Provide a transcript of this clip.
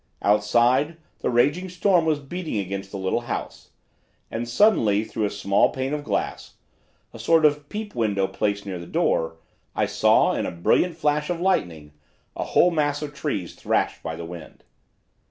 "Outside, the raging storm was beating against the little house, and suddenly through a small pane of glass, a sort of peep window placed near the door, I saw in a brilliant flash of lightning a whole mass of trees thrashed by the wind.